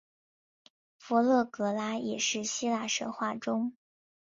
佛勒格拉也是希腊神话中。